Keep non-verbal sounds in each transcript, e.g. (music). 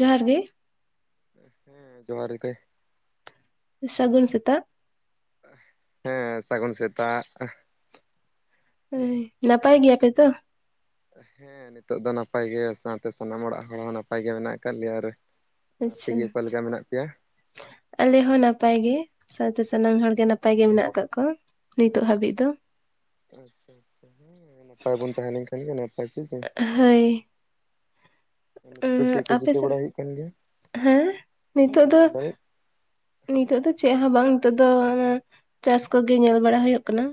ᱡᱚᱦᱟᱸᱨ ᱜᱮ ᱦᱮᱸ ᱡᱚᱦᱟᱸᱨ ᱜᱮ ᱥᱟᱹᱜᱩᱱ ᱥᱮᱛᱟᱜ ᱦᱮᱸ ᱥᱟᱹᱜᱩᱱ ᱥᱮᱛᱟᱜ ᱦᱟᱹᱭ ᱱᱟᱯᱟᱭ ᱜᱮᱭᱟ ᱯᱮ ᱛᱚ ᱦᱮᱸ ᱱᱤᱛᱚᱜ ᱫᱚ ᱱᱟᱯᱟᱭ ᱜᱮᱭᱟ ᱥᱟᱶᱛᱮ ᱥᱟᱱᱟᱢ ᱚᱲᱟᱜ ᱦᱚᱲ ᱦᱚᱸ ᱱᱟᱯᱟᱭ ᱜᱮ ᱢᱮᱱᱟᱜ ᱟᱠᱟᱜ ᱞᱮᱭᱟ ᱨᱮ ᱟᱪᱪᱷᱟ ᱟᱯᱮᱜᱮ ᱚᱠᱟ ᱞᱮᱠᱟ ᱢᱮᱱᱟᱜ ᱯᱮᱭᱟ ᱟᱞᱮ ᱦᱚᱸ ᱱᱟᱯᱟᱭᱜᱮ ᱥᱟᱶᱛᱮ ᱥᱟᱱᱟᱢ ᱦᱚᱲ ᱜᱮ ᱱᱟᱯᱟᱭ ᱜᱮ ᱢᱮᱱᱟᱜ ᱟᱠᱟᱜ ᱠᱚ ᱱᱤᱛᱚᱜ ᱦᱟᱹᱵᱤᱡ ᱫᱚ ᱟᱪᱪᱷᱟ ᱟᱪᱪᱷᱟ ᱦᱮᱸ ᱱᱟᱯᱟᱭ ᱵᱚᱱ ᱛᱟᱦᱮᱸ ᱞᱮᱱᱠᱷᱟᱱ ᱜᱮ ᱱᱟᱯᱟᱭ ᱥᱮ ᱪᱮ ᱮᱸ ᱟᱯᱮ ᱪᱤᱠᱟᱹ ᱥᱮᱫ ᱵᱟᱲᱟ ᱦᱩᱭᱩᱜ ᱠᱟᱱ ᱜᱮᱭᱟ ᱦᱮᱸ ᱱᱤᱛᱚᱜ ᱫᱚ ᱢᱮᱱ ᱫᱟᱲᱮᱭᱟᱜ ᱦᱮᱸ ᱱᱤᱛᱚᱜ ᱫᱚ ᱪᱮᱫ ᱦᱚᱸ ᱵᱟᱝ ᱱᱤᱛᱚᱜ ᱫᱚ ᱚᱱᱟ ᱪᱟᱥ ᱠᱚᱜᱮ ᱧᱮᱞ ᱵᱟᱲᱟ ᱦᱩᱭᱩᱜ ᱠᱟᱱᱟ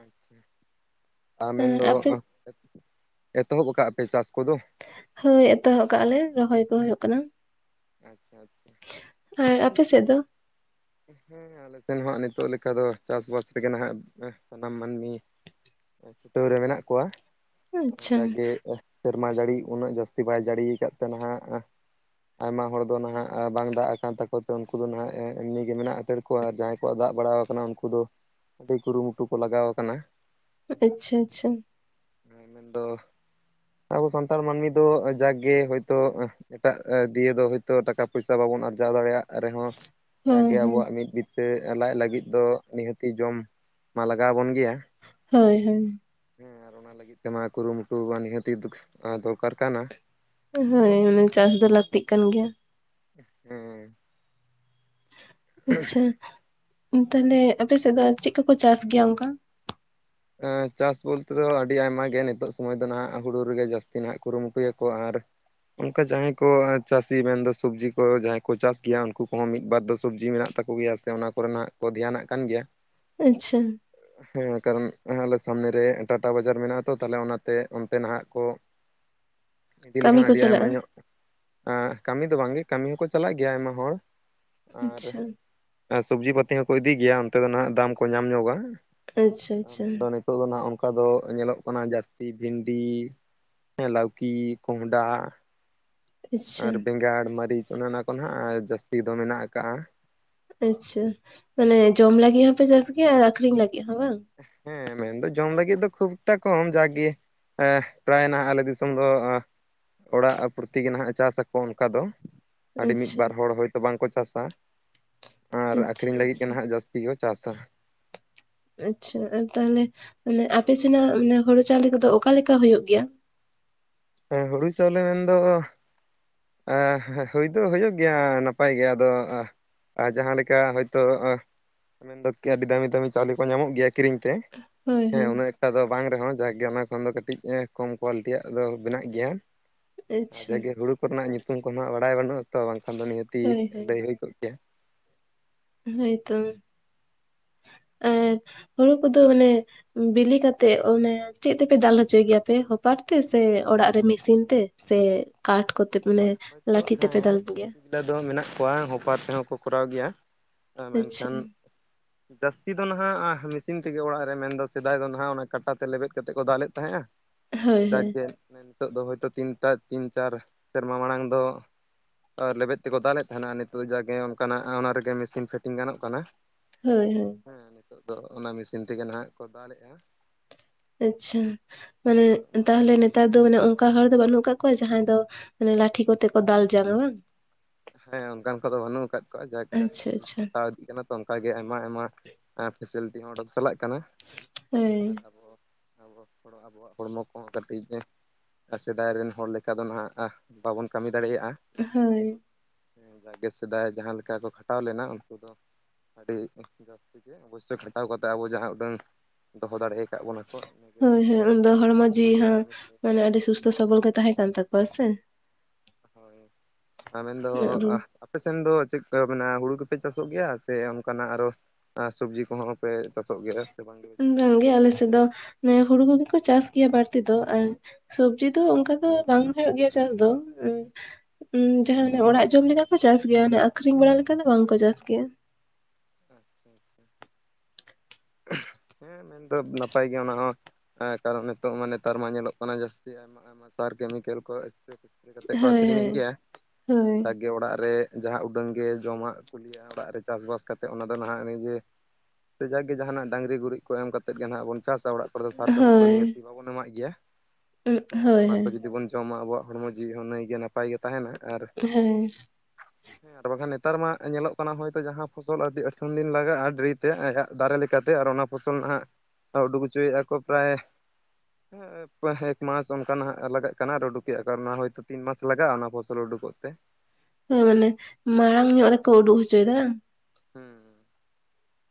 ᱟᱪᱪᱷᱟ ᱟᱯᱮ (unintelligible) ᱮᱛᱚᱦᱚᱵ ᱠᱟᱜᱯᱮ ᱪᱟᱥ ᱠᱚᱫᱚ? ᱦᱳᱭ ᱮᱛᱚᱦᱚᱵ ᱠᱟᱜᱞᱮ ᱨᱚᱦᱚᱭ ᱠᱚ ᱦᱩᱭᱩᱜ ᱠᱟᱱᱟ ᱾ ᱟᱪᱪᱷᱟ ᱟᱪᱪᱷᱟ ᱾ ᱟᱨ ᱟᱯᱮ ᱥᱮᱫ ᱫᱚ? ᱦᱮᱸ ᱟᱞᱮ ᱥᱮᱱ ᱦᱚᱸ ᱦᱟᱜ ᱱᱤᱛᱚᱜ ᱞᱮᱠᱟ ᱫᱚ ᱪᱟᱥᱵᱟᱥ ᱨᱮᱜᱮ ᱱᱟᱜ ᱥᱟᱱᱟᱢ ᱢᱟᱹᱱᱢᱤ ᱪᱷᱩᱴᱟᱹᱣ ᱨᱮ ᱢᱮᱱᱟᱜ ᱠᱚᱣᱟ ᱟᱪᱪᱷᱟ ᱡᱟᱜᱮ ᱾ ᱥᱮᱨᱢᱟ ᱡᱟᱹᱲᱤ ᱩᱱᱟᱹᱜ ᱡᱟᱹᱥᱛᱤ ᱵᱟᱭ ᱡᱟᱹᱲᱤᱭ ᱟᱠᱟᱫ ᱛᱮ ᱱᱟᱦᱟᱜ ᱟᱭᱢᱟ ᱦᱚᱲ ᱫᱚ ᱱᱷᱟᱦᱟᱜ ᱵᱟᱝ ᱫᱟᱜ ᱟᱠᱟᱱ ᱛᱟᱠᱚ ᱛᱮ ᱩᱱᱠᱩ ᱫᱚ ᱱᱷᱟᱦᱟᱜ ᱮᱢᱱᱤ ᱜᱮ ᱢᱮᱱᱟᱜ ᱦᱟᱛᱟᱲ ᱠᱚᱣᱟ ᱟᱨ ᱡᱟᱦᱟᱸᱭ ᱠᱚᱣᱟᱜ ᱫᱟᱜ ᱵᱟᱲᱟᱣ ᱟᱠᱟᱱᱟ ᱩᱱᱠᱩ ᱫᱚ ᱟᱹᱰᱤ ᱠᱩᱨᱩᱢᱩᱴᱩ ᱠᱚ ᱞᱟᱜᱟᱣ ᱟᱠᱟᱱᱟ ᱾ ᱟᱪᱪᱷᱟ ᱟᱪᱪᱷᱟ ᱾ ᱢᱮᱱᱫᱚ ᱟᱵᱚ ᱥᱟᱱᱛᱟᱲ ᱢᱟᱹᱱᱢᱤ ᱫᱚ ᱡᱟᱜ ᱜᱮ ᱦᱳᱭᱛᱳ ᱮᱴᱟᱜ ᱫᱤᱭᱮ ᱫᱚ ᱦᱳᱭᱛᱳ ᱴᱟᱠᱟ ᱯᱚᱭᱥᱟ ᱵᱟᱵᱚᱱ ᱟᱨᱡᱟᱣ ᱫᱟᱲᱮᱭᱟᱜ ᱨᱮᱦᱚᱸ ᱾ ᱦᱳᱭ ᱡᱟᱜᱮ ᱦᱳᱭ ᱟᱵᱚᱣᱟᱜ ᱢᱤᱫ ᱵᱤᱛᱟᱹ ᱞᱟᱡ ᱞᱟᱹᱜᱤᱫ ᱫᱚ ᱱᱤᱦᱟᱹᱛᱤ ᱡᱚᱢ ᱢᱟ ᱞᱟᱜᱟᱣ ᱟᱵᱚᱱ ᱜᱮᱭᱟ ᱾ ᱦᱳᱭ ᱦᱳᱭ ᱾ ᱦᱮᱸ ᱟᱨ ᱚᱱᱟ ᱞᱟᱹᱜᱤᱫ ᱛᱮᱢᱟ ᱠᱩᱨᱩᱢᱩᱴᱩ ᱢᱟ ᱱᱤᱦᱟᱹᱛᱤ ᱫᱩᱠ ᱫᱚᱨᱠᱟᱨ ᱠᱟᱱᱟ ᱾ ᱦᱳᱭ ᱚᱱᱟ ᱪᱟᱥ ᱫᱚ ᱞᱟᱹᱠᱛᱤᱜ ᱠᱟᱱ ᱜᱮᱭᱟ ᱾ ᱦᱮᱸ ᱾ ᱟᱪᱪᱷᱟ ᱛᱟᱦᱞᱮ ᱟᱯᱮᱥᱮᱫ ᱫᱚ ᱟᱨ ᱪᱮᱫ ᱠᱚᱠᱚ ᱪᱟᱥ ᱜᱮᱭᱟ ᱚᱱᱠᱟ? ᱪᱟᱥ ᱵᱚᱞᱛᱮ ᱫᱚ ᱟᱹᱰᱤ ᱟᱭᱢᱟ ᱜᱮ ᱱᱤᱛᱚᱜ ᱥᱚᱢᱚᱭ ᱫᱚ ᱱᱟᱦᱟᱸᱜ ᱦᱩᱲᱩ ᱨᱮᱜᱮ ᱡᱟᱹᱥᱛᱤ ᱱᱟᱦᱟᱸᱜ ᱠᱩᱨᱩᱢᱩᱴᱩ ᱭᱟᱠᱚ ᱾ ᱟᱨ ᱚᱱᱠᱟ ᱡᱟᱦᱟᱸᱭ ᱠᱚ ᱪᱟᱹᱥᱤ ᱢᱮᱱᱫᱚ ᱥᱚᱵᱽᱡᱤ ᱠᱚ ᱡᱟᱦᱟᱸᱭ ᱠᱚ ᱪᱟᱥ ᱜᱮᱭᱟ ᱩᱱᱠᱩ ᱠᱚᱦᱚᱸ ᱢᱤᱫ ᱵᱟᱨ ᱫᱚ ᱥᱚᱵᱽᱡᱤ ᱢᱮᱱᱟᱜ ᱛᱟᱠᱚ ᱜᱮᱭᱟ ᱥᱮ ᱚᱱᱟ ᱠᱚᱨᱮ ᱱᱟᱜ ᱠᱚ ᱫᱷᱮᱭᱟᱱᱟᱜ ᱠᱟᱱ ᱜᱮᱭᱟ ᱾ ᱟᱪᱪᱷᱟ ᱾ ᱦᱮᱸ ᱠᱟᱨᱚᱱ ᱾ ᱟᱞᱮ ᱥᱟᱢᱱᱮ ᱨᱮ ᱴᱟᱴᱟ ᱵᱟᱡᱟᱨ ᱢᱮᱱᱟᱜᱼᱟ ᱛᱚ, ᱛᱟᱦᱚᱞᱮ ᱚᱱᱟᱛᱮ ᱚᱱᱛᱮ ᱱᱷᱟᱦᱟᱜ ᱠᱚ ᱤᱫᱤ ᱠᱟᱹᱢᱤ ᱞᱮᱠᱷᱟᱱ ᱠᱚ ᱟᱹᱰᱤ ᱟᱭᱢᱟ ᱪᱟᱞᱟᱜᱼᱟ ᱧᱚᱜ ᱠᱟᱹᱢᱤ ᱫᱚ ᱵᱟᱝᱜᱮ ᱠᱟᱹᱢᱤ ᱦᱚᱸᱠᱚ ᱪᱟᱞᱟᱜ ᱜᱮᱭᱟ ᱟᱭᱢᱟ ᱦᱚᱲ ᱟᱪᱪᱷᱟ ᱾ ᱟᱨ ᱥᱚᱵᱡᱤ ᱯᱟᱹᱛᱤ ᱦᱚᱸᱠᱚ ᱤᱫᱤ ᱜᱮᱭᱟ ᱚᱱᱛᱮ ᱫᱚ ᱱᱷᱟᱸᱜ ᱫᱟᱢ ᱠᱚ ᱧᱟᱢ ᱧᱚᱜᱟ ᱾ ᱟᱪᱪᱷᱟ ᱾ ᱢᱮᱱᱫᱚ ᱱᱤᱛᱚᱜ ᱫᱚ ᱱᱷᱟᱸᱜ ᱚᱱᱠᱟ ᱫᱚ ᱧᱮᱞᱚᱜ ᱠᱟᱱᱟ ᱡᱟᱹᱥᱛᱤ ᱵᱷᱤᱱᱰᱤ ᱞᱟᱣᱠᱤ, ᱠᱚᱸᱦᱚᱸᱰᱟ ᱾ ᱟᱪᱪᱷᱟ ᱟᱨ ᱵᱮᱸᱜᱟᱲ, ᱢᱟᱹᱨᱤᱪ ᱚᱱᱮ ᱚᱱᱟ ᱠᱚ ᱱᱟᱦᱟᱸᱜ ᱡᱟᱹᱥᱛᱤ ᱫᱚ ᱢᱮᱱᱟᱜ ᱟᱠᱟᱜᱼᱟ ᱟᱪᱪᱷᱟ ᱢᱟᱱᱮ ᱡᱚᱢ ᱞᱟᱹᱜᱤᱫ ᱦᱚᱸᱯᱮ ᱪᱟᱥ ᱜᱮᱭᱟ ᱟᱨ ᱟᱠᱷᱨᱤᱧ ᱞᱟᱹᱜᱤᱜ ᱦᱚᱸ ᱵᱟᱝ? ᱦᱮᱸ ᱢᱮᱱᱫᱚ ᱡᱚᱢ ᱞᱟᱹᱜᱤᱫ ᱫᱚ ᱠᱷᱩᱵᱴᱟ ᱠᱚᱢ ᱡᱟᱠᱜᱮ ᱾ ᱯᱨᱟᱭ ᱱᱟᱦᱟᱜ ᱟᱞᱮ ᱫᱤᱥᱚᱢ ᱫᱚ ᱚᱲᱟᱜ ᱯᱨᱚᱛᱤ ᱜᱮ ᱱᱟᱦᱟᱜ ᱪᱟᱥ ᱟᱠᱚ ᱚᱱᱠᱟ ᱫᱚ ᱾ ᱟᱹᱰᱤ ᱢᱤᱫ ᱟᱪᱪᱷᱟ ᱵᱟᱨ ᱦᱚᱲ ᱦᱚᱭᱛᱳ ᱵᱟᱝᱠᱚ ᱪᱟᱥᱟ ᱟᱨ ᱟᱪᱪᱷᱟ ᱟᱹᱠᱷᱨᱤᱧ ᱞᱟᱹᱜᱤᱜ ᱜᱮ ᱟᱪᱪᱷᱟ ᱱᱟᱦᱟᱜ ᱡᱟᱹᱥ- ᱛᱤ ᱠᱚ ᱪᱟᱥᱟ ᱾ ᱟᱪᱪᱷᱟ ᱛᱟᱦᱚᱞᱮ ᱢᱟᱱᱮ ᱟᱯᱮ ᱥᱮᱱᱟᱜ ᱦᱩᱲᱩ ᱪᱟᱣᱞᱮ ᱠᱚᱫᱚ ᱚᱠᱟᱞᱮᱠᱟ ᱦᱩᱭᱩᱜ ᱜᱮᱭᱟ? ᱦᱮᱸ ᱦᱩᱲᱩ ᱪᱟᱣᱞᱮ ᱢᱮᱱ ᱫᱚ ᱦᱩᱭ ᱫᱚ ᱦᱩᱭᱩᱜ ᱜᱮᱭᱟ ᱱᱟᱯᱟᱭ ᱜᱮ ᱟᱫᱚ ᱟᱨ ᱡᱟᱦᱟᱸ ᱞᱮᱠᱟ ᱦᱚᱭᱛᱳ ᱢᱮᱱᱫᱚ ᱟᱹᱰᱤ ᱫᱟᱹᱢᱤ ᱫᱟᱹᱢᱤ ᱪᱟᱣᱞᱮ ᱠᱚ ᱧᱟᱢᱚᱜ ᱜᱮᱭᱟ ᱠᱤᱨᱤᱧ ᱛᱮ ᱦᱳᱭ ᱾ ᱦᱮᱸ ᱦᱳᱭ ᱩᱱᱟᱹᱜ ᱮᱠᱴᱟ ᱫᱚ ᱵᱟᱝ ᱨᱮᱦᱚᱸ ᱡᱟᱜ ᱜᱮ ᱚᱱᱟ ᱠᱷᱚᱱ ᱫᱚ ᱠᱟᱹᱴᱤᱡ ᱠᱚᱢ ᱠᱚᱣᱟᱞᱤᱴᱤᱭᱟᱜ ᱫᱚ ᱵᱮᱱᱟᱜ ᱜᱮᱭᱟ, ᱟᱪᱪᱷᱟ ᱡᱟᱜ ᱜᱮ ᱦᱩᱲᱩ ᱠᱚᱨᱮᱱᱟᱜ ᱧᱩᱛᱩᱢ ᱠᱚᱱ ᱦᱟᱸᱜ ᱵᱟᱲᱟᱭ ᱵᱟᱹᱱᱩᱜᱼᱟ ᱾ ᱛᱚ ᱵᱟᱝᱠᱷᱟᱱ ᱫᱚ ᱱᱤᱦᱟᱹᱛᱤ ᱦᱳᱭ ᱞᱟᱹᱭ ᱦᱩᱭ ᱠᱚᱜ ᱜᱮᱭᱟ ᱾ ᱦᱳᱭ ᱛᱚ ᱟᱨ ᱦᱩᱲᱩ ᱠᱚᱫᱚ ᱢᱟᱱᱮ ᱵᱤᱞᱤ ᱠᱟᱛᱮᱜ ᱚᱱᱮ ᱪᱮᱫ ᱛᱮᱯᱮ ᱫᱟᱞ ᱦᱚᱪᱚᱭ ᱜᱮᱭᱟ ᱯᱮ ᱦᱚᱯᱟᱨ ᱛᱮ ᱥᱮ ᱚᱲᱟᱜ ᱨᱮ ᱢᱮᱥᱤᱱ ᱛᱮ ᱥᱮ ᱠᱟᱴ ᱠᱚᱛᱮ ᱢᱟᱱᱮ ᱦᱳᱭᱛᱳ ᱞᱟᱴᱷᱤ ᱛᱮᱯᱮ ᱦᱮᱸ ᱫᱟᱞ ᱜᱮᱭᱟ? (unintelligible) ᱫᱚ ᱢᱮᱱᱟᱜ ᱠᱚᱣᱟ ᱦᱚᱯᱟᱨ ᱛᱮᱦᱚᱸ ᱠᱚ ᱠᱚᱨᱟᱣ ᱜᱮᱭᱟ ᱟᱪᱪᱷᱟ ᱢᱮᱱᱠᱷᱟᱱ, ᱡᱟᱹᱥᱛᱤ ᱫᱚ ᱱᱟᱦᱟᱜ ᱢᱮᱥᱤᱱ ᱛᱮᱜᱮ ᱚᱲᱟᱜ ᱨᱮ ᱢᱮᱱ ᱫᱚ ᱥᱮᱫᱟᱭ ᱫᱚ ᱱᱟᱦᱟᱜ ᱚᱱᱟ ᱠᱟᱴᱟ ᱛᱮ ᱞᱮᱵᱮᱫ ᱠᱟᱛᱮᱫ ᱠᱚ ᱫᱟᱞᱮᱫ ᱛᱟᱦᱮᱸᱜᱼᱟ ᱾ ᱟᱨ ᱦᱳᱭ ᱦᱳᱭ ᱡᱟᱠᱜᱮ ᱱᱤᱛᱚᱜ ᱫᱚ ᱦᱚᱭᱛᱳ ᱛᱤᱱᱴᱟ ᱛᱤᱱ ᱪᱟᱨ ᱥᱮᱨᱢᱟ ᱢᱟᱲᱟᱝ ᱫᱚ ᱟᱨ ᱞᱮᱵᱮᱫ ᱛᱮᱠᱚ ᱫᱟᱞᱮᱫ ᱛᱟᱦᱮᱱᱟ, ᱱᱤᱛᱚᱜ ᱡᱟᱜᱮ ᱚᱱᱠᱟᱱᱟᱜ ᱚᱱᱟ ᱨᱮᱜᱮ ᱢᱮᱥᱤᱱ ᱯᱷᱤᱴᱤᱝ ᱜᱟᱱᱚᱜ ᱠᱟᱱᱟ ᱾ ᱦᱳᱭ ᱦᱳᱭ ᱾ ᱦᱮᱸ, ᱱᱤᱛᱚᱜ ᱫᱚ ᱚᱱᱟ ᱢᱮᱥᱤᱱ ᱛᱮᱜᱮ ᱱᱟᱦᱜ ᱠᱚ ᱫᱟᱞᱮᱜᱼᱟ ᱾ ᱟᱪᱪᱷᱟ, ᱢᱟᱱᱮ ᱱᱤᱛᱚᱜ ᱢᱟ ᱛᱟᱦᱚᱞᱮ ᱱᱮ ᱛᱟᱨ ᱫᱚ ᱢᱟᱱᱮ ᱚᱱᱠᱟ ᱦᱚᱲ ᱫᱚ ᱵᱟᱹᱱᱩᱜ ᱟᱠᱟᱜ ᱠᱚᱣᱟ, ᱡᱟᱦᱟᱸᱭ ᱫᱚ ᱢᱟᱱᱮ ᱞᱟᱴᱷᱤ ᱠᱚᱛᱮ ᱠᱚ ᱫᱟᱞ ᱡᱚᱝᱟ ᱵᱟᱝ? ᱦᱮᱸ, ᱚᱱᱠᱟᱱ ᱠᱚᱫᱚ ᱵᱟᱹᱱᱩᱜ ᱟᱠᱟᱫ ᱠᱚᱣᱟ ᱡᱟᱠ ᱟᱪᱪᱷᱟ ᱡᱩᱜᱽ ᱟᱪᱪᱷᱟ ᱯᱟᱞᱴᱟᱣ ᱤᱫᱤᱜ ᱠᱟᱱᱟ ᱛᱚ ᱚᱱᱠᱟᱜᱮ ᱟᱭᱢᱟ ᱟᱭᱢᱟ ᱯᱷᱮᱥᱮᱞᱤᱴᱤ ᱦᱚᱸ ᱚᱰᱚᱠ ᱪᱟᱞᱟᱜ ᱠᱟᱱᱟ᱾ ᱦᱳᱭ ᱟᱨ ᱟᱵᱚ ᱟᱵᱚ ᱛᱷᱚᱲᱟ ᱟᱵᱚᱣᱟᱜ ᱦᱚᱲᱢᱚ ᱠᱚᱦᱚᱸ ᱠᱟᱹᱴᱤᱡ ᱮ ᱟᱨ ᱥᱮᱫᱟᱭ ᱨᱮᱱ ᱦᱚᱲ ᱞᱮᱠᱟ ᱫᱚ ᱱᱟᱦᱟᱸᱜ ᱵᱟᱵᱚᱱ ᱠᱟᱹᱢᱤ ᱫᱟᱲᱮᱭᱟᱜᱼᱟ ᱾ ᱦᱳᱭ ᱾ ᱮᱸ ᱡᱟᱠᱜᱮ ᱥᱮᱫᱟᱭ ᱡᱟᱦᱟᱸ ᱞᱮᱠᱟ ᱠᱚ ᱠᱷᱟᱴᱟᱣ ᱞᱮᱱᱟ, ᱩᱱᱠᱩ ᱫᱚ ᱟᱹᱰᱤ ᱡᱟᱹᱥᱛᱤ ᱜᱮ ᱚᱵᱚᱥᱥᱳᱭ ᱠᱷᱟᱴᱟᱣ ᱠᱟᱛᱮ ᱟᱵᱚ ᱡᱟᱦᱟᱸ ᱩᱰᱟᱹᱝ ᱫᱚᱦᱚ ᱫᱟᱲᱮ ᱠᱟᱫ ᱵᱚᱱᱟ, ᱠᱚ ᱤᱱᱟᱹᱜᱮ ᱦᱳᱭ ᱦᱳᱭ, ᱩᱱᱫᱚ ᱟᱹᱰᱤ ᱦᱚᱲᱢᱚ ᱱᱟᱯᱟᱭ ᱡᱤᱣᱤ ᱠᱚ ᱦᱚᱸ ᱠᱟᱹᱢᱤ ᱢᱟᱱᱮ ᱫᱟᱲᱮᱭᱟᱜᱼᱟ᱾ ᱟᱹᱰᱤ ᱥᱩᱥᱛᱷᱚ ᱥᱚᱵᱚᱞ ᱜᱮ ᱛᱟᱦᱮᱸ ᱠᱟᱱ ᱛᱟᱠᱚᱣᱟ ᱥᱮ? ᱦᱳᱭ ᱟᱨ ᱟᱵᱮᱱ ᱫᱚ ᱩᱱᱟᱹᱜ ᱨᱩᱣᱟᱹ ᱟᱯᱮ ᱥᱮᱱ ᱫᱚ ᱪᱮᱫ ᱠᱚ ᱢᱮᱱᱟ? ᱦᱩᱲᱩ ᱠᱚᱯᱮ ᱪᱟᱥᱚᱜ ᱜᱮᱭᱟ ᱥᱮ ᱚᱱᱠᱟᱱᱟᱜ ᱟᱨᱚ, ᱟᱨ ᱥᱚᱵᱽᱡᱤ ᱠᱚᱦᱚᱸ ᱯᱮ ᱪᱟᱥᱚᱜ ᱜᱮᱭᱟ? ᱵᱟᱝ ᱜᱮᱯᱮ ᱪᱟᱥᱚᱜᱼᱟ ᱵᱟᱝ ᱜᱮ ᱟᱞᱮ ᱥᱮᱫ ᱫᱚ ᱦᱩᱲᱩ ᱠᱚᱜᱮ ᱠᱚ ᱪᱟᱥ ᱜᱮᱭᱟ ᱵᱟᱹᱲᱛᱤ ᱫᱚ᱾ ᱟᱨ ᱥᱚᱵᱡᱤ ᱫᱚ ᱚᱱᱠᱟ ᱫᱚ ᱵᱟᱝ ᱦᱩᱭᱩᱜ ᱜᱮᱭᱟ ᱪᱟᱥ ᱫᱚ ᱾ᱩᱝ ᱩᱸ ᱡᱟᱦᱟᱸ ᱚᱲᱟᱜ ᱡᱚᱢ ᱞᱮᱠᱟ ᱠᱚ ᱪᱟᱥ ᱜᱮᱭᱟ, ᱟᱠᱷᱨᱤᱧ ᱵᱟᱲᱟ ᱞᱮᱠᱟ ᱫᱚ ᱵᱟᱝᱠᱚ ᱪᱟᱥ ᱜᱮᱭᱟ ᱾ ᱟᱪᱪᱷᱟ ᱟᱪᱪᱷᱟ ᱾ ᱦᱮᱸᱜ ᱦᱮᱸ, ᱢᱮᱱᱫᱚ ᱱᱟᱯᱟᱭ ᱜᱮᱭᱟ ᱚᱱᱟ ᱦᱚᱸ, ᱠᱟᱨᱚᱱ ᱱᱤᱛᱚᱜ ᱢᱟ ᱱᱮᱛᱟᱨ ᱢᱟ ᱧᱮᱞᱚᱜ ᱠᱟᱱᱟ ᱡᱟᱹᱥᱛᱤ ᱟᱭᱢᱟ ᱟᱭᱢᱟ ᱥᱟᱨ ᱠᱮᱢᱤᱠᱮᱞ ᱠᱚ ᱮᱥᱯᱨᱮ ᱯᱷᱮᱥᱯᱨᱮ ᱠᱟᱛᱮ ᱠᱚ ᱦᱳᱭ ᱟᱠᱷᱨᱤᱧᱮᱫ ᱜᱮᱭᱟ ᱦᱮ ᱛᱚ ᱦᱳᱭ ᱦᱳᱭ ᱡᱟᱠᱜᱮ ᱚᱲᱟᱜ ᱨᱮ ᱾ ᱡᱟᱦᱟᱸ ᱩᱰᱟᱹᱝᱜ ᱜᱮ ᱡᱚᱢᱟᱜ ᱠᱚ ᱠᱩᱞᱤᱭᱟ ᱚᱲᱟᱜ ᱨᱮ ᱪᱟᱥ ᱵᱟᱥ ᱠᱟ ᱛᱮ ᱚᱱᱟ ᱫᱚ ᱱᱟᱦᱜ ᱱᱤᱡᱮ ᱥᱮ ᱡᱟᱠᱜᱮ ᱡᱟᱦᱟᱱᱟᱜ ᱰᱟᱝᱨᱤ ᱜᱩᱨᱤᱡ ᱠᱚ ᱮᱢ ᱠᱟ ᱠᱟᱛᱮ ᱜᱮ ᱱᱟᱦᱜ ᱵᱚᱱ ᱪᱟᱥᱟ ᱚᱲᱟᱜ ᱠᱚᱨᱮ ᱫᱚ ᱥᱟᱨ ᱪᱟᱯᱟᱱ ᱫᱚ ᱦᱳᱭ ᱩᱱᱟᱹᱜ ᱵᱟᱵᱚᱱ ᱮᱢᱟᱜ ᱜᱮᱭᱟ ᱩᱸ ᱦᱮᱸ ᱟᱨ ᱦᱳᱭ ᱚᱱᱟ ᱦᱳᱭ ᱡᱩᱫᱤ ᱵᱚᱱ ᱡᱚᱢᱟ ᱟᱵᱚᱣᱟᱜ ᱦᱚᱲᱢᱚ ᱡᱤᱣᱤ ᱦᱚᱸ ᱱᱟᱹᱭᱜᱮ ᱱᱟᱯᱟᱭᱜᱮ ᱛᱟᱦᱮᱱᱟ ᱟᱨ ᱦᱮᱸ ᱾ ᱦᱮᱸ ᱟᱨ ᱵᱟᱝᱠᱷᱟᱱ ᱱᱮᱛᱟᱨ ᱢᱟ ᱧᱮᱞᱚᱜ ᱠᱟᱱᱟ ᱦᱳᱭᱛᱚ ᱡᱟᱦᱟᱸ ᱯᱷᱚᱥᱚᱞ ᱟᱹᱰᱤ ᱟᱛᱷᱥᱱ ᱫᱤᱱ ᱞᱟᱜᱟᱜᱼᱟ ᱰᱮᱨᱤ ᱛᱮ ᱟᱭᱟᱜ ᱫᱟᱨᱮ ᱞᱮᱠᱟᱛᱮ ᱟᱨ ᱚᱱᱟ ᱯᱷᱚᱥᱚᱞ ᱱᱟᱦᱟᱜ ᱩᱰᱩᱠ ᱦᱚᱪᱚᱭᱮᱫᱼᱟ ᱠᱚ ᱯᱨᱟᱭ ᱮᱠᱢᱟᱥ ᱚᱱᱠᱟ ᱱᱟᱜ ᱞᱟᱜᱟ ᱠᱟᱱᱟ ᱟᱨ ᱩᱰᱩᱠᱮᱜᱼᱟ ᱠᱚ ᱟᱨ ᱚᱱᱟ ᱦᱚᱭᱛᱳ ᱛᱤᱱ ᱢᱟᱥ ᱞᱟᱜᱟᱜᱼᱟ ᱚᱱᱟ ᱯᱷᱚᱥᱚᱞ ᱩᱰᱩᱠᱚᱜ ᱛᱮ ᱾ ᱦᱮᱸ ᱢᱟᱱᱮ ᱢᱟᱲᱟᱝ ᱧᱚᱜ ᱨᱮᱠᱚ ᱩᱰᱩ ᱦᱚᱪᱚᱭᱮᱫᱟ ᱾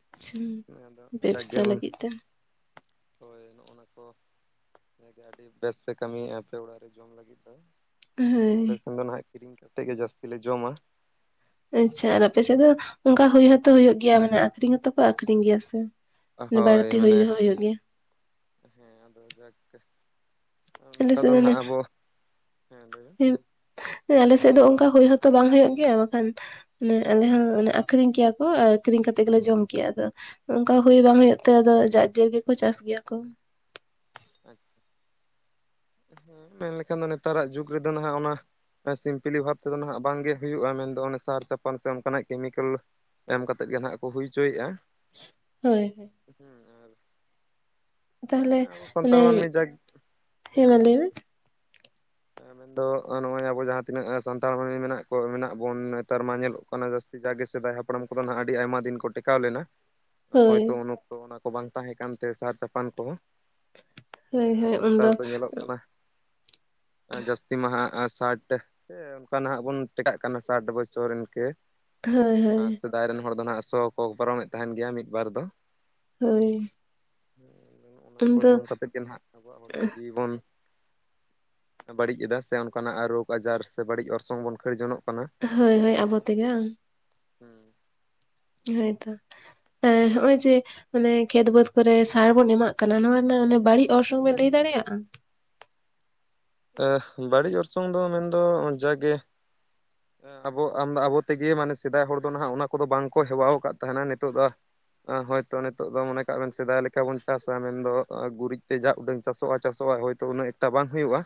ᱟᱪᱪᱷᱟ ᱟᱫᱚ ᱡᱟᱠᱜᱮ ᱵᱮᱵᱽᱥᱟ ᱩᱱ ᱞᱟᱹᱜᱤᱫ ᱛᱮ ᱦᱳᱭ, ᱱᱚᱜᱼᱚᱱᱟ ᱠᱚ ᱮ ᱟᱹᱰᱤ ᱵᱮᱥ ᱯᱮ ᱠᱟᱹᱢᱤᱭᱮᱫᱼᱟ ᱟᱯᱮ ᱚᱲᱟᱜ ᱨᱮ ᱡᱚᱢ ᱞᱟᱹᱜᱤᱫ ᱫᱚ ᱾ ᱦᱳᱭ ᱟᱞᱮ ᱥᱮᱱ ᱫᱚ ᱦᱟᱸᱜ ᱠᱤᱨᱤᱧ ᱠᱟᱛᱮ ᱜᱮ ᱡᱟᱹᱥᱛᱤ ᱞᱮ ᱡᱚᱢᱟ ᱾ ᱟᱪᱪᱷᱟ, ᱟᱨ ᱟᱯᱮ ᱥᱮᱫ ᱫᱚ ᱚᱱᱠᱟ ᱦᱩᱭ ᱦᱚᱸᱛᱚ ᱦᱩᱭᱩᱜ ᱜᱮᱭᱟ ᱢᱟᱱᱮ ᱟᱠᱷᱨᱤᱧ ᱦᱚᱸᱛᱚ ᱠᱚ ᱟᱠᱷᱨᱤᱧ ᱜᱮᱭᱟ ᱥᱮ? ᱢᱟᱱᱮ ᱦᱳᱭ ᱵᱟᱲᱛᱤ ᱦᱩᱭ ᱢᱟᱱᱮ ᱦᱚᱸ ᱦᱩᱭᱩᱜ ᱜᱮᱭᱟ ᱾ ᱦᱮᱸ, ᱟᱫᱚ ᱡᱟᱠᱜᱮ ᱟᱞᱮ ᱚᱱᱠᱟ ᱫᱚ ᱥᱮᱫ ᱦᱟᱸᱜ ᱚᱱᱮ ᱟᱵᱚ, ᱦᱮᱸ ᱞᱟᱹᱭᱵᱤᱱ ᱟᱞᱮ ᱥᱮᱫ ᱫᱚ ᱚᱱᱠᱟ ᱦᱩᱭ ᱦᱚᱸᱛᱚ ᱵᱟᱝ ᱦᱩᱭᱩᱜ ᱜᱮᱭᱟ ᱵᱟᱠᱷᱟᱱ, ᱢᱟᱱᱮ ᱟᱞᱮ ᱦᱚᱸᱮ ᱟᱠᱷᱨᱤᱧ ᱠᱮᱭᱟ ᱠᱚ ᱟᱠᱷᱨᱤᱧ ᱠᱟᱛᱮ ᱜᱮᱞᱮ ᱡᱚᱢ ᱠᱮᱭᱟ, ᱟᱫᱚ ᱚᱱᱠᱟ ᱦᱩᱭ ᱵᱟᱝ ᱦᱩᱭᱩᱜ ᱛᱮ ᱟᱫᱚ ᱡᱟᱠᱜᱮ ᱨᱮ ᱜᱮᱠᱚ ᱪᱟᱥ ᱜᱮᱭᱟ ᱠᱚ ᱾ ᱟᱪᱪᱷᱟ ᱾ ᱦᱮᱸ, ᱢᱮᱱᱞᱮᱠᱷᱟᱱ ᱫᱚ ᱱᱮᱛᱟᱨ ᱟᱜ ᱡᱩᱜᱽ ᱨᱮᱫᱚ ᱱᱟᱦᱜ ᱚᱱᱟ ᱥᱤᱢᱯᱤᱞᱤ ᱦᱚᱨ ᱛᱮᱫᱚ ᱱᱟᱦᱜ ᱵᱟᱝᱜᱮ ᱦᱩᱭᱩᱜᱼᱟ ᱢᱮᱱᱫᱚ ᱚᱱᱮ ᱥᱟᱨ ᱪᱟᱯᱟᱱ ᱥᱮ ᱚᱱᱠᱟ ᱱᱟᱜ ᱠᱮᱢᱤᱠᱮᱞ ᱮᱢ ᱠᱟᱛᱮ ᱜᱮ ᱱᱟᱸᱜ ᱠᱚ ᱦᱩᱭ ᱦᱚᱪᱚᱭᱮᱫᱼᱟ ᱾ ᱦᱳᱭ ᱦᱳᱭ ᱾ ᱦᱮᱸ ᱾ ᱛᱟᱦᱚᱞᱮ ᱦᱮᱸ, ᱟᱵᱚ ᱢᱟᱱᱮ ᱥᱟᱱᱛᱟᱲ ᱢᱟᱹᱱᱢᱤ ᱡᱟᱠ ᱦᱮᱸ ᱞᱟᱹᱭ ᱢᱮ ᱢᱮᱱ ᱾ ᱟᱫᱚ ᱱᱚᱜᱼᱚᱭ ᱟᱵᱚ ᱡᱟᱦᱟᱸ ᱛᱤᱱᱟᱹᱜ ᱥᱟᱱᱛᱟᱲ ᱦᱚᱭ ᱢᱮᱱᱟᱜ ᱠᱚ ᱢᱮᱱᱟᱜ ᱵᱚᱱ ᱱᱮᱛᱟᱨ ᱢᱟ ᱧᱮᱞᱚᱜ ᱠᱟᱱᱟ ᱡᱟᱹᱥᱛᱤ ᱡᱟᱜᱮ ᱥᱮᱫᱟᱭ ᱦᱟᱯᱲᱟᱢ ᱠᱚᱫᱚ ᱱᱟᱦᱟᱸᱜ ᱟᱹᱰᱤ ᱟᱭᱢᱟ ᱫᱤᱱ ᱠᱚ ᱴᱮᱠᱟᱣ ᱞᱮᱱᱟ ᱦᱳᱭ ᱦᱳᱭᱛᱳ ᱩᱱ ᱚᱠᱛᱚ ᱚᱱᱟ ᱠᱚ ᱵᱟᱝ ᱛᱟᱦᱮᱸ ᱠᱟᱱᱛᱮ ᱥᱟᱨ ᱪᱟᱯᱟᱱ ᱠᱚ ᱦᱚᱸ ᱦᱮᱸ ᱦᱳᱭ ᱟᱨ ᱦᱳᱭ ᱩᱱᱫᱚ ᱱᱮᱛᱟᱨ ᱫᱚ ᱧᱮᱞᱚᱜ ᱠᱟᱱᱟ ᱡᱟᱹᱥᱛᱤ ᱢᱟᱦᱟ ᱼᱼ ᱱᱟᱜᱟ ᱥᱟᱴ ᱚᱱᱠᱟ ᱱᱟᱦᱟᱜ ᱵᱚᱱ ᱴᱮᱠᱟᱜ ᱠᱟᱱᱟ ᱥᱟᱴ ᱵᱚᱪᱷᱚᱨ ᱤᱱᱠᱟᱹ ᱦᱳᱭ ᱟᱨ ᱦᱳᱭ ᱥᱮᱫᱟᱭ ᱨᱮᱱ ᱦᱚᱲ ᱫᱚ ᱱᱟᱦᱟᱜ ᱥᱚ ᱠᱚ ᱯᱟᱨᱚᱢᱮᱫ ᱛᱟᱦᱮᱱ ᱜᱮᱭᱟ ᱢᱤᱫ ᱵᱟᱨ ᱫᱚ ᱦᱳᱭ ᱚᱱᱟ ᱠᱚ ᱩᱱᱫᱚ ᱡᱚᱢ ᱠᱟᱛᱮᱫ ᱜᱮ ᱱᱟᱦᱟᱸᱜ ᱟᱵᱚᱣᱟᱜ ᱦᱚᱲᱢᱚ ᱡᱤᱣᱤ ᱵᱚᱱ ᱵᱟᱹᱲᱤᱡ ᱮᱫᱟ ᱥᱮ ᱚᱱᱠᱟᱱᱟᱜ ᱨᱳᱜᱽ ᱟᱡᱟᱨ ᱥᱮ ᱵᱟᱹᱲᱤᱡ ᱚᱨᱥᱚᱝ ᱵᱚᱱ ᱠᱷᱟᱹᱲ ᱡᱚᱱᱚᱜ ᱠᱟᱱᱟ ᱦᱳᱭ ᱦᱳᱭ ᱟᱵᱚ ᱛᱮᱜᱮ ᱟᱝ ᱦᱩᱸ ᱦᱭᱛᱚ ᱟᱨ ᱦᱳᱚᱭ ᱡᱮ ᱢᱟᱱᱮ ᱠᱷᱮᱛ ᱵᱟᱹᱫᱽ ᱠᱚᱨᱮ ᱥᱟᱨ ᱵᱚᱱ ᱮᱢᱟᱜ ᱠᱟᱱᱟ ᱱᱚᱣᱟ ᱨᱮᱱᱟᱜ ᱵᱟᱹᱲᱤᱡ ᱚᱨᱥᱚᱝ ᱵᱮᱱ ᱞᱟᱹᱭ ᱫᱟᱲᱮᱭᱟᱜᱼᱟ ᱮ ᱵᱟᱹᱲᱤᱡ ᱚᱨᱥᱚᱝ ᱫᱚ ᱢᱮᱱᱫᱚ ᱡᱟᱜᱮ ᱟᱵᱚ ᱟᱢ ᱟᱵᱚ ᱛᱮᱜᱮ ᱢᱟᱱᱮ ᱥᱮᱫᱟᱭ ᱦᱚᱲ ᱫᱚ ᱱᱟᱦᱟᱜ ᱚᱱᱟ ᱠᱚᱫᱚ ᱵᱟᱝᱠᱚ ᱦᱮᱣᱟ ᱟᱠᱟᱫ ᱛᱟᱦᱮᱱᱟ ᱱᱤᱛᱚᱜ ᱫᱚ ᱦᱳᱭᱛᱚ ᱱᱤᱛᱚᱜ ᱫᱚ ᱢᱚᱱᱮ ᱠᱟᱜ ᱵᱮᱱ ᱥᱮᱫᱟᱭ ᱞᱮᱠᱟ ᱵᱚᱱ ᱪᱟᱥᱟ ᱢᱮᱱᱫᱚ ᱜᱩᱨᱤᱡ ᱛᱮ ᱡᱟᱜ ᱩᱰᱟᱹᱝ ᱪᱟᱥᱚᱜᱼᱟ ᱪᱟᱥᱼᱟ ᱦᱭᱛ ᱛᱚ ᱩᱱᱟᱹᱜ ᱮᱠᱴᱟ ᱵᱟᱝ ᱦᱩᱭᱩᱜᱼᱟ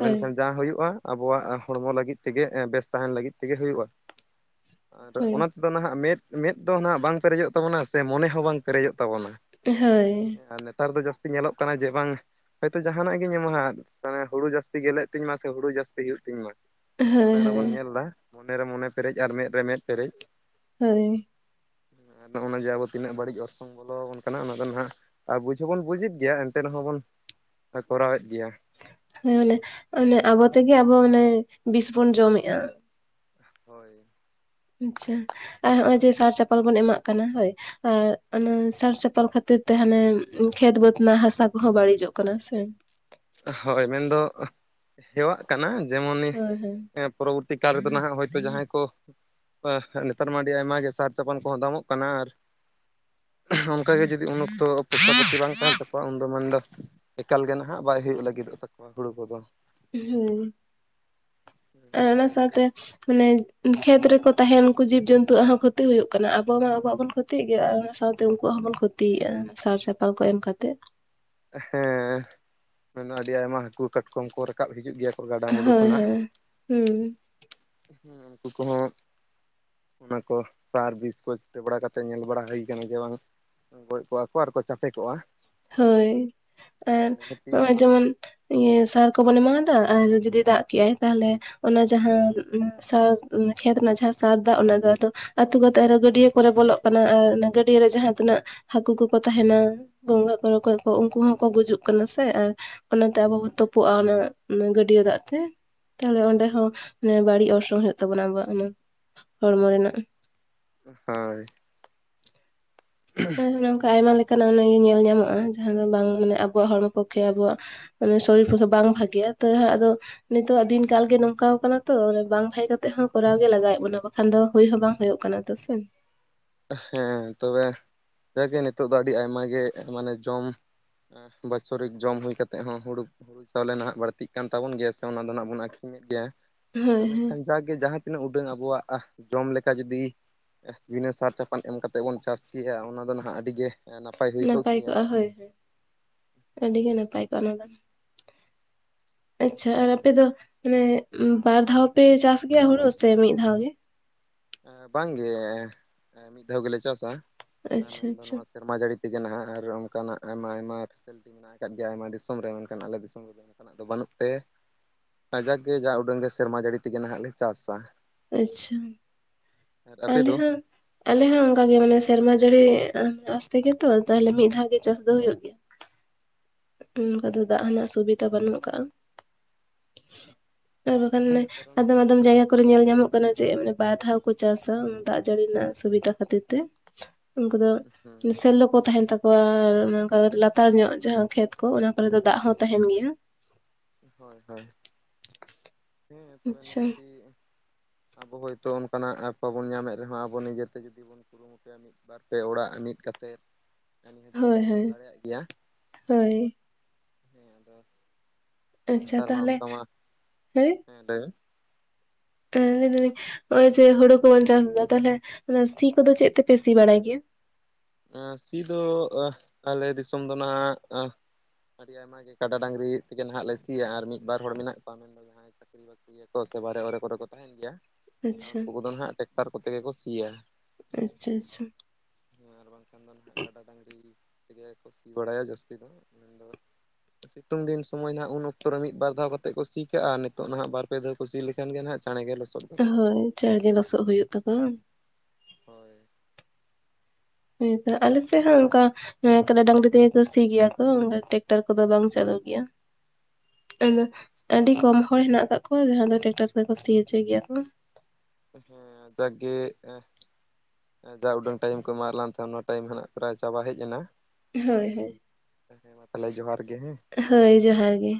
ᱦᱳᱭ ᱢᱮᱱᱠᱷᱟᱱ ᱡᱟᱦᱟᱸ ᱦᱩᱭᱩᱜᱼᱟ ᱟᱵᱚᱣᱟᱜ ᱦᱚᱲᱢᱚ ᱞᱟᱹᱜᱤᱫ ᱛᱮᱜᱮ ᱵᱮᱥ ᱛᱟᱦᱮᱱ ᱞᱟᱹᱜᱤᱫ ᱛᱮᱜᱮ ᱦᱩᱭᱩᱜᱼᱟ ᱟᱨ ᱦᱳᱭ ᱚᱱᱟ ᱛᱮᱫᱚ ᱱᱟᱦᱟᱜ ᱢᱮᱫ ᱢᱮᱫ ᱫᱚ ᱱᱟᱦᱜ ᱵᱟᱝ ᱯᱮᱨᱮᱡᱚᱜ ᱛᱟᱵᱚᱱᱟ ᱥᱮ ᱢᱚᱱᱮ ᱦᱚᱸ ᱵᱟᱝ ᱯᱮᱨᱮᱡᱚᱜ ᱛᱟᱵᱚᱱᱟ ᱦᱳᱭ ᱟᱨ ᱱᱮᱛᱟᱨ ᱫᱚ ᱡᱟᱹᱥᱛᱤ ᱧᱮᱞᱚᱜ ᱠᱟᱱᱟ ᱡᱮ ᱵᱟᱝ ᱦᱳᱭᱛᱳ ᱡᱟᱦᱟᱱᱟᱜ ᱜᱤᱧ ᱮᱢᱚᱜᱢᱟᱫ ᱢᱟᱱᱮ ᱦᱩᱲᱩ ᱡᱟᱹᱥᱛᱤ ᱜᱮᱞᱮᱫ ᱛᱤᱧ ᱢᱟ ᱥᱮ ᱦᱩᱲᱩ ᱡᱟᱹᱥᱛᱤ ᱦᱩᱭᱩᱜ ᱛᱤᱧ ᱢᱟ ᱦᱳᱭ ᱚᱱᱮ ᱚᱱᱟ ᱦᱳᱭ ᱵᱚᱱ ᱧᱮᱞᱫᱟ ᱢᱚᱱᱮ ᱨᱮ ᱢᱚᱱᱮ ᱯᱮᱨᱮᱡ ᱟᱨ ᱢᱮᱸᱫ ᱨᱮ ᱢᱮᱸᱫ ᱯᱮᱨᱮᱡ ᱦᱳᱭ ᱱᱚᱜᱼᱚᱭ ᱡᱮ ᱟᱵᱚ ᱛᱤᱱᱟᱹᱜ ᱵᱟᱹᱲᱤᱡ ᱚᱨᱥᱚᱝ ᱵᱚᱞᱚ ᱟᱵᱚᱱ ᱠᱟᱱᱟ ᱚᱱᱟ ᱫᱚ ᱱᱟᱦᱟᱜ ᱟᱨ ᱵᱩᱡᱽ ᱦᱚᱸᱵᱚᱱ ᱵᱩᱡᱮᱫ ᱜᱮᱭᱟ ᱮᱱᱛᱮ ᱨᱮᱦᱚᱸᱵᱚᱱ ᱠᱚᱨᱟᱣᱮᱫ ᱜᱮᱭᱟ ᱦᱮᱸ ᱢᱟᱱᱮ ᱚᱱᱮ ᱟᱵᱚ ᱛᱮᱜᱮ ᱟᱵᱚ ᱢᱚᱱᱮ ᱵᱤᱥ ᱵᱚᱱ ᱡᱚᱢᱮᱫᱼᱟ ᱦᱳᱭ ᱟᱪᱪᱷᱟ ᱟᱨ ᱱᱚᱜ ᱚᱭ ᱡᱮ ᱥᱟᱨ ᱪᱟᱯᱟᱞ ᱵᱚᱱ ᱮᱢᱟᱜ ᱠᱟᱱᱟ ᱦᱳᱭ ᱟᱨ ᱚᱱᱟ ᱥᱟᱨᱥᱪᱟᱯᱟᱞ ᱠᱷᱟᱹᱛᱤᱨ ᱛᱮ ᱦᱟᱱᱮ ᱠᱷᱮᱛ ᱵᱟᱹᱫᱽ ᱨᱮᱱᱟᱜ ᱦᱟᱥᱟ ᱠᱚᱦᱚᱸ ᱵᱟᱹᱲᱤᱡᱚᱜ ᱠᱟᱱᱟ ᱥᱮ ᱦᱳᱭ ᱢᱮᱱᱫᱚ ᱦᱮᱣᱟᱜ ᱠᱟᱱᱟ ᱡᱮᱢᱚᱱᱤ ᱦᱳᱭ ᱦᱳᱭ ᱮ ᱯᱚᱨᱚᱵᱚᱨᱛᱤ ᱠᱟᱞ ᱨᱮᱫᱚ ᱱᱟᱜ ᱦᱭᱛᱳ ᱡᱟᱦᱟᱸᱭ ᱠᱚ ᱦᱳᱭ ᱱᱮᱛᱟᱨ ᱢᱟ ᱟᱹᱰᱤ ᱟᱭᱢᱟ ᱜᱮ ᱥᱟᱨ ᱪᱟᱯᱟᱱ ᱠᱚᱦᱚᱸ ᱫᱟᱢᱚᱜ ᱠᱟᱱᱟ ᱟᱨ (unintelligible) ᱚᱱᱠᱟᱜᱮ ᱡᱩᱫᱤ ᱩᱱ ᱚᱠᱛᱚ ᱯᱚᱭᱥᱟᱼ ᱯᱟᱹᱛᱤ ᱵᱟᱝ ᱛᱟᱦᱮᱱ ᱛᱟᱠᱚᱣᱟ ᱩᱱᱫᱚ ᱢᱮᱱᱫᱟ ᱮᱠᱟᱞ ᱜᱮ ᱱᱟᱦᱟᱜ ᱵᱟᱭ ᱦᱩᱭᱩᱜ ᱞᱟᱹᱜᱤᱫᱚᱜ ᱛᱟᱠᱚᱣᱟ ᱦᱩᱲᱩ ᱠᱚᱫᱚ ᱦᱩᱸ ᱟᱨ ᱚᱱᱟ ᱥᱟᱶᱛᱮ ᱢᱟᱱᱮ ᱠᱷᱮᱛ ᱨᱮᱠᱚ ᱛᱟᱦᱮᱱ ᱩᱱᱠᱩ ᱡᱤᱵ ᱡᱚᱱᱛᱩᱣᱟᱜ ᱦᱮᱹ ᱠᱷᱚᱛᱤ ᱦᱩᱭᱩᱜ ᱠᱟᱱᱟ ᱟᱵᱚ ᱢᱟ ᱟᱵᱚᱣᱟᱜ ᱵᱚᱱ ᱠᱷᱚᱛᱤᱜ ᱜᱮᱭᱟ ᱚᱱᱟ ᱥᱟᱶᱛᱮ ᱩᱱᱠᱩᱣᱟᱜ ᱦᱚᱸᱵᱚᱱ ᱠᱷᱚᱛᱤ ᱛᱤᱭᱮᱜᱼᱟ ᱥᱟᱨ ᱪᱟᱯᱟ ᱠᱚ ᱮᱢ ᱠᱟᱛᱮᱜ ᱦᱮᱸ ᱢᱮᱱ ᱟᱹᱰᱤ ᱟᱭᱢᱟ ᱦᱟᱹᱠᱩ ᱠᱟᱴᱠᱚᱢ ᱠᱚᱨᱮ ᱨᱟᱠᱟᱵ ᱦᱤᱡᱜ ᱜᱮᱭᱟ ᱠᱚ ᱜᱟ ᱦᱳᱭ ᱦᱳᱭ ᱦᱩᱸ ᱦᱩᱸ ᱩᱱᱠᱩ ᱠᱚᱦᱚᱸ ᱚᱱᱟ ᱠᱚ ᱥᱟᱨᱵᱤᱥ ᱠᱚ (unintelligible) ᱥᱮᱴ ᱵᱟᱲᱟ ᱠᱟᱛᱮ ᱧᱮᱞ ᱵᱟᱲᱟ ᱦᱩᱭ ᱟᱠᱟᱱᱟ ᱜᱮᱭᱟ ᱵᱟᱝ ᱜᱚᱡ ᱠᱚᱜ-ᱟ ᱠᱚ ᱟᱨ ᱠᱚ ᱪᱟᱯᱮ ᱠᱚᱜ-ᱟ ᱦᱳᱭ ᱟᱨ ᱮ ᱱᱚᱜ-ᱚᱭ ᱡᱮᱢᱚᱱ ᱤᱭᱟᱹ ᱥᱟᱨ ᱠᱚᱵᱚᱱ ᱮᱢᱟᱫᱟ ᱟᱨ ᱡᱩᱫᱤ ᱫᱟᱜ ᱠᱮᱜ-ᱟᱭ ᱛᱟᱦᱚᱞᱮ ᱚᱱᱟ ᱡᱟᱦᱟᱸ ᱥᱟᱨ ᱠᱷᱮᱛ ᱨᱮᱱᱟᱜ ᱡᱟᱦᱟᱸ ᱥᱟᱨ ᱫᱟᱜ ᱚᱱᱟ ᱫᱚ ᱟᱫᱚ ᱟᱹᱛᱩ ᱠᱟᱛᱮᱜ ᱟᱨᱚ ᱜᱟᱹᱰᱭᱟᱹ ᱠᱚᱨᱮ ᱵᱚᱞᱚᱜ ᱠᱟᱱᱟ ᱟᱨ ᱚᱱᱟ ᱜᱟᱹᱰᱭᱟᱹ ᱨᱮ ᱡᱟᱦᱟᱸ ᱛᱤᱱᱟᱹᱜ ᱦᱟᱹᱠᱩ ᱠᱚᱠᱚ ᱛᱟᱦᱮᱱᱟ ᱜᱚᱸᱝᱜᱷᱟ ᱠᱚ ᱨᱚᱠᱚᱡ ᱠᱚ ᱩᱱᱠᱩ ᱦᱚᱸᱠᱚ ᱜᱩᱡᱩᱜ ᱠᱟᱱᱟ ᱥᱮ ᱟᱨ ᱚᱱᱟ ᱛᱮ ᱟᱵᱚ ᱵᱚ ᱛᱩᱯᱩᱜ-ᱟ ᱚᱱᱟ ᱜᱟᱹᱰᱭᱟᱹ ᱫᱟᱜ ᱛᱮ᱾ ᱛᱟᱦᱚᱞᱮ ᱚᱸᱰᱮ ᱦᱚᱸ ᱵᱟᱹᱲᱤᱡ ᱚᱨᱥᱚᱝ ᱦᱩᱭᱩᱜ ᱛᱟᱵᱚᱱᱟ ᱟᱵᱚᱣᱟᱜ ᱦᱚᱲᱢᱚ ᱨᱮᱱᱟᱜ᱾ ᱦᱳᱭ᱾ ᱟᱨ ᱚᱱᱮ ᱚᱱᱠᱟ ᱟᱭᱢᱟ ᱞᱮᱠᱟᱱᱟᱜ ᱧᱮᱞ ᱧᱟᱢᱚᱜ-ᱟ, ᱡᱟᱦᱟᱸ ᱫᱚ ᱵᱟᱝ ᱢᱟᱱᱮ ᱟᱵᱚᱣᱟᱜ ᱦᱚᱲᱢᱚ ᱯᱚᱠᱠᱷᱮ ᱟᱵᱚᱣᱟᱜ ᱢᱟᱱᱮ ᱥᱚᱨᱤᱨ ᱯᱚᱠᱠᱷᱮ ᱵᱟᱝ ᱵᱷᱟᱜᱮᱜ-ᱟ, ᱛᱟᱹᱦᱟᱜ ᱟᱫᱚ ᱱᱤᱛᱳᱜ-ᱟᱜ ᱫᱤᱱ ᱠᱟᱞᱜᱮ ᱱᱚᱝᱠᱟᱣ ᱠᱟᱱᱟ ᱛᱚ ᱵᱟᱝ ᱵᱷᱟᱜᱮ ᱠᱟᱛᱮᱜ ᱦᱚᱸ ᱠᱚᱨᱟᱣ ᱜᱮ ᱞᱟᱜᱟᱣᱮᱫ ᱵᱚᱱᱟ᱾ ᱵᱟᱠᱷᱟᱱ ᱫᱚ ᱦᱩᱭ ᱦᱚᱸ ᱵᱟᱝ ᱦᱩᱭᱩᱜ ᱠᱟᱱᱟ ᱛᱮ ᱥᱮ᱾ ᱦᱮᱸ ᱛᱚᱵᱮ ᱡᱟᱜᱮ ᱱᱤᱛᱚᱜ ᱫᱚ ᱟᱹᱰᱤ ᱟᱭᱢᱟᱜᱮ ᱢᱟᱱᱮ ᱡᱚᱢ ᱵᱟᱪᱷᱚᱨᱤᱠ ᱡᱚᱢ ᱦᱩᱭ ᱠᱟᱛᱮᱫ ᱦᱚᱸ ᱦᱩᱲᱩ ᱦᱩᱲᱩ ᱪᱟᱣᱞᱮ ᱱᱟᱦᱟᱜ ᱵᱟᱹᱲᱛᱤᱜ ᱠᱟᱱ ᱛᱟᱵᱚᱱ ᱜᱮᱭᱟ ᱥᱮ ᱚᱱᱟ ᱫᱚ ᱱᱟᱦᱟᱜ ᱵᱚᱱ ᱟᱹᱠᱷᱨᱤᱧ ᱮᱫ ᱜᱮᱭᱟ᱾ ᱦᱳᱭ ᱦᱳᱭ ᱢᱮᱱᱠᱷᱟᱱ ᱡᱟᱜᱮ ᱡᱟᱦᱟᱸ ᱛᱤᱱᱟᱹᱜ ᱩᱰᱟᱹᱝ ᱟᱵᱚᱣᱟᱜ ᱡᱚᱢ ᱞᱮᱠᱟ ᱡᱩᱫᱤ ᱵᱤᱱᱟᱹ ᱥᱟᱨ ᱪᱟᱯᱟᱱ ᱮᱢ ᱠᱟᱛᱮᱫ ᱵᱚᱱ ᱪᱟᱥ ᱠᱮᱭᱟ ᱚᱱᱟ ᱫᱚ ᱱᱟᱦᱟᱜ ᱟᱹᱰᱤᱜᱮ ᱱᱟᱯᱟᱭ ᱦᱩᱭ ᱠᱚᱜ ᱱᱟᱯᱟᱭ ᱠᱮᱭᱟ ᱠᱚᱜ-ᱟ ᱦᱳᱭ ᱦᱳᱭ ᱟᱹᱰᱤ ᱦᱮᱸ ᱜᱮ ᱱᱟᱯᱟᱭ ᱠᱚᱜ-ᱟ ᱚᱱᱟ ᱫᱚ᱾ ᱟᱪᱪᱷᱟ ᱟᱨ ᱦᱮᱸ ᱟᱯᱮ ᱫᱚ ᱟᱫᱚ ᱢᱟᱱᱮ ᱵᱟᱨ ᱫᱷᱟᱣ ᱯᱮ ᱪᱟᱥ ᱜᱮᱭᱟ ᱦᱩᱲᱩ ᱥᱮ ᱢᱤᱫ ᱫᱷᱟᱣ ᱜᱮ? ᱵᱟᱝᱜᱮ ᱢᱤᱫ ᱫᱷᱟᱣ ᱜᱮᱞᱮ ᱪᱟᱥᱟ ᱟᱪᱪᱷᱟ ᱢᱮᱱᱫᱚ ᱟᱪᱪᱷᱟ ᱱᱚᱣᱟ ᱥᱮᱨᱢᱟ ᱡᱟᱹᱲᱤ ᱛᱮᱜᱮ ᱱᱟᱦᱟᱜ ᱟᱨ ᱚᱱᱠᱟᱱᱟᱜ ᱟᱭᱢᱟ ᱟᱭᱢᱟ ᱯᱷᱮᱥᱮᱞᱤᱴᱤ ᱢᱮᱱᱟᱜ ᱟᱠᱟᱫ ᱜᱮᱭᱟ ᱟᱭᱢᱟ ᱫᱤᱥᱚᱢ ᱨᱮ ᱢᱮᱱᱠᱷᱟᱱ ᱟᱞᱮ ᱫᱤᱥᱚᱢ ᱨᱮᱫᱚ ᱚᱱᱠᱟᱱᱟᱜ ᱫᱚ ᱵᱟᱹᱱᱩᱜ ᱛᱮ ᱠᱟᱡᱟᱜ ᱜᱮ ᱡᱟ ᱩᱰᱟᱹᱝ ᱜᱮ ᱥᱮᱨᱢᱟ ᱡᱟᱹᱲᱤ ᱛᱮᱜᱮ ᱱᱟᱦᱟᱜ ᱞᱮ ᱪᱟᱥᱟ᱾ ᱟᱪᱪᱷᱟ ᱟᱨ ᱟᱯᱮ ᱟᱞᱮ ᱫᱚ ᱦᱚᱸ᱾ ᱟᱞᱮ ᱦᱚᱸ ᱚᱱᱠᱟᱜᱮ ᱢᱟᱱᱮ ᱥᱮᱨᱢᱟ ᱡᱟᱹᱲᱤ ᱟᱸᱥᱛᱮᱜᱮ ᱛᱚ ᱛᱟᱦᱞᱮ ᱢᱤᱫ ᱫᱷᱟᱣ ᱜᱮ ᱪᱟᱥ ᱫᱚ ᱦᱩᱭᱩᱜ ᱜᱮᱭᱟ᱾ ᱚᱱᱠᱟ ᱫᱚ ᱫᱟᱜ ᱟᱪᱪᱷᱟ ᱨᱮᱱᱟᱜ ᱟᱪᱪᱷᱟ ᱥᱩᱵᱤᱫᱷᱟ ᱵᱟᱹᱱᱩᱜ ᱠᱟᱜ-ᱟ᱾ ᱟᱨ ᱵᱟᱠᱷᱟᱱ ᱞᱮ ᱦᱮᱸ ᱠᱟᱨᱚᱱ ᱟᱫᱚᱢ ᱟᱫᱚᱢ ᱡᱟᱭᱜᱟ ᱠᱚᱨᱮ ᱧᱮᱞ ᱧᱟᱢᱚᱜ ᱠᱟᱱᱟ ᱡᱮ ᱢᱟᱱᱮ ᱵᱟᱨ ᱫᱷᱟᱣ ᱠᱚ ᱪᱟᱥᱟ ᱫᱟᱜ ᱡᱟᱹᱲᱤ ᱨᱮᱱᱟᱜ ᱥᱩᱵᱤᱫᱟ ᱠᱷᱟᱹᱛᱤᱨ ᱛᱮ᱾ ᱩᱱᱠᱩ ᱫᱚ ᱦᱮᱸ ᱥᱮᱞᱞᱳ ᱠᱚ ᱛᱟᱦᱮᱱ ᱛᱟᱠᱚᱣᱟ ᱟᱨ ᱚᱱᱮ ᱚᱱᱠᱟ ᱞᱟᱛᱟᱨ ᱧᱚᱜ ᱡᱟᱦᱟᱸ ᱠᱷᱮᱛ ᱠᱚ ᱚᱱᱟ ᱠᱚᱨᱮ ᱫᱚ ᱫᱟᱜ ᱦᱚᱸ ᱛᱟᱦᱮᱱ ᱜᱮᱭᱟ᱾ ᱦᱳᱭ ᱦᱳᱭ ᱦᱮᱸ ᱛᱚᱵᱮ ᱟᱪᱪᱷᱟ ᱱᱤᱦᱟᱹᱛᱤ ᱟᱵᱚ ᱦᱚᱭᱛᱳ ᱚᱱᱠᱟ ᱱᱟᱜ ᱵᱟᱵᱚᱱ ᱧᱟᱢᱮᱫ ᱨᱮᱦᱚᱸ ᱟᱵᱚ ᱱᱤᱡᱮᱛᱮ ᱡᱩᱫᱤ ᱵᱚᱱ ᱠᱩᱨᱩᱢᱩᱴᱩ ᱯᱮ, ᱢᱤᱫ, ᱵᱟᱨ, ᱯᱮ ᱚᱲᱟᱜ ᱢᱤᱫ ᱠᱟᱛᱮᱫ ᱱᱤᱦᱟᱹᱛᱤ ᱚᱱᱟ ᱦᱳᱭ ᱦᱳᱭ ᱦᱚᱸᱵᱚᱱ ᱫᱟᱲᱮᱭᱟᱜ ᱜᱮᱭᱟ ᱦᱳᱭ ᱦᱮᱸ ᱟᱫᱚ ᱟᱨ ᱟᱪᱪᱷᱟ ᱱᱮᱛᱟᱨ ᱢᱟ ᱛᱟᱦᱚᱞᱮ ᱚᱱᱠᱟ ᱢᱟ ᱦᱮᱸ ᱞᱟᱹᱭ ᱢᱮ᱾ ᱦᱮᱸ ᱢᱮᱱᱫᱟᱞᱤᱧ ᱦᱚᱜ-ᱚᱭ ᱡᱮ ᱦᱳᱲᱳ ᱠᱚᱵᱚᱱ ᱪᱟᱥ ᱫᱟ ᱛᱟᱦᱞᱮ ᱚᱱᱟ ᱥᱤ ᱠᱚᱫᱚ ᱪᱮᱫ ᱛᱮᱯᱮ ᱥᱤ ᱵᱟᱲᱟᱭ ᱜᱮᱭᱟ? ᱥᱤ ᱫᱚ ᱟᱞᱮ ᱫᱤᱥᱚᱢ ᱫᱚ ᱱᱟᱜ ᱟᱹᱰᱤ ᱟᱭᱢᱟ ᱜᱮ ᱠᱟᱰᱟ ᱰᱟᱝᱨᱤ ᱛᱮᱜᱮ ᱱᱟᱦᱟᱜ ᱞᱮ ᱥᱤᱭᱟ᱾ ᱟᱨ ᱢᱤᱫ ᱵᱟᱨ ᱦᱚᱲ ᱢᱮᱱᱟᱜ ᱠᱚᱣᱟ ᱢᱮᱱᱫᱚ ᱡᱟᱦᱟᱸᱭ ᱪᱟᱠᱨᱤ ᱵᱟᱹᱠᱨᱤᱭᱟ ᱠᱚ ᱥᱮ ᱵᱟᱨᱮ ᱚᱨᱮ ᱠᱚᱨᱮ ᱠᱚ ᱛᱟᱦᱮᱱ ᱜᱮᱭᱟ ᱟᱪᱪᱷᱟ ᱩᱱᱠᱩ ᱠᱚᱫᱚ ᱱᱟᱦᱟᱜ ᱴᱮᱠᱴᱟᱨ ᱠᱚᱛᱮ ᱜᱮ ᱠᱚ ᱥᱤᱭᱟ᱾ ᱟᱪᱪᱷᱟ ᱟᱪᱪᱷᱟ᱾ ᱟᱨ ᱵᱟᱝᱠᱷᱟᱱ ᱫᱚ ᱱᱟᱦᱟᱜ ᱠᱟᱰᱟ ᱰᱟᱹᱝᱨᱤ ᱛᱮᱜᱮ ᱠᱚ ᱥᱤ ᱵᱟᱲᱟᱭᱟ ᱡᱟᱹᱥᱛᱤ ᱫᱚ ᱢᱮᱱᱫᱚ ᱥᱤᱛᱩᱝ ᱫᱤᱱ ᱥᱚᱢᱚᱭ ᱱᱟᱦᱟᱜ ᱩᱱ ᱚᱠᱛᱚ ᱨᱮ ᱢᱤᱫ ᱵᱟᱨ ᱫᱷᱟᱣ ᱠᱟᱛᱮᱫ ᱠᱚ ᱥᱤ ᱠᱟᱜ-ᱟ᱾ ᱱᱤᱛᱚᱜ ᱱᱟᱦᱟᱜ ᱵᱟᱨ ᱯᱮ ᱫᱷᱟᱣ ᱠᱚ ᱥᱤ ᱞᱮᱠᱷᱟᱱ ᱜᱮ ᱦᱟᱜ ᱪᱟᱬᱮ ᱜᱮ ᱞᱚᱥᱚᱫᱚᱜ-ᱟ᱾ ᱦᱳᱭ ᱪᱟᱬᱜᱮ ᱞᱚᱥᱚᱜ ᱦᱩᱭᱩᱜ ᱛᱟᱠᱚᱣᱟ᱾ ᱦᱳᱭ᱾ ᱦᱮᱸᱛᱚ ᱟᱞᱮ ᱥᱮᱫ ᱦᱚᱸ ᱚᱱᱠᱟ ᱦᱮᱸ ᱛᱚᱵᱮ ᱰᱟᱝᱨᱤ ᱛᱮᱜᱮ ᱥᱤ ᱜᱮᱭᱟ ᱠᱚ ᱴᱮᱠᱴᱟᱨ ᱠᱚᱫᱚ ᱵᱟᱝ ᱪᱟᱹᱞᱩᱜ ᱜᱮᱭᱟ᱾ ᱟᱫᱚ ᱟᱪᱪᱷᱟ ᱟᱪᱪᱷᱟ ᱟᱹᱰᱤ ᱠᱚᱢ ᱦᱚᱲ ᱦᱮᱱᱟᱜ ᱠᱟᱜ ᱠᱚᱣᱟ ᱡᱟᱦᱟᱸ ᱫᱚ ᱴᱮᱠᱴᱟᱨ ᱛᱮᱠᱚ ᱥᱤ ᱦᱚᱪᱚᱭ ᱜᱮᱭᱟ ᱠᱚ᱾ ᱦᱮᱸ ᱡᱟᱜᱜᱮ ᱡᱟ ᱩᱰᱟᱹᱝ ᱴᱟᱭᱤᱢ ᱠᱚ ᱮᱢᱟᱜ ᱞᱟᱝ ᱛᱟᱦᱮ ᱚᱱᱟ ᱴᱟᱭᱤᱢ ᱦᱟᱜ ᱯᱨᱟᱭ ᱪᱟᱵᱟ ᱦᱮᱡ ᱮᱱᱟ ᱦᱳᱭ ᱦᱳᱭ᱾ ᱦᱮᱸ ᱢᱟ ᱛᱟᱦᱚᱞᱮ ᱡᱚᱦᱟᱸᱨ ᱜᱮ ᱦᱮᱸ᱾ ᱦᱳᱭ ᱡᱚᱦᱟᱸᱨ ᱜᱮ᱾